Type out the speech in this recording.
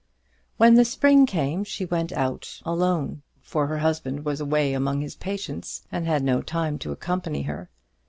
When the spring came she went out alone; for her husband was away among his patients, and had no time to accompany her.